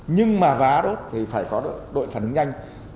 nhưng mà vá đốt thì phải có đội phản ứng nhanh